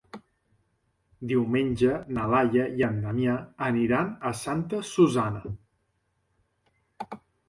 Diumenge na Laia i en Damià aniran a Santa Susanna.